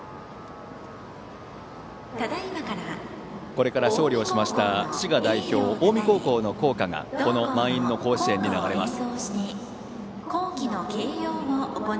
これから勝利しました滋賀代表・近江高校の校歌がこの満員の甲子園に流れます。